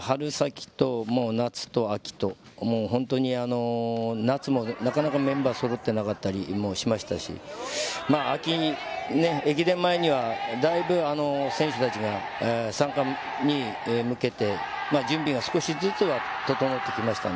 春先と夏、秋、本当に夏もなかなかメンバーがそろっていなかったりしましたし、駅伝前にはだいぶ選手たちが３冠に向けて準備が少しずつ整ってきました。